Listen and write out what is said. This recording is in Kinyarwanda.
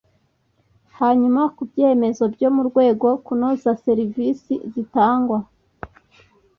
hanyuma ku byemezo byo mu rwego kunoza serivisi zitangwa